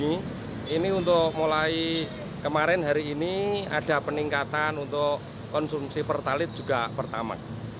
ini untuk mulai kemarin hari ini ada peningkatan untuk konsumsi pertalit juga pertama